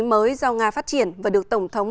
mới do nga phát triển và được tổng thống